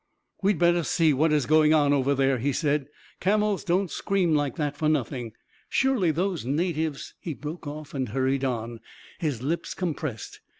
" We'd better see what is going on over there," he said. " Camels don't scream like that for noth ing. Surely, those natives ••." 380 A KING IN BABYLON He broke off and hurried on, his lips compressed.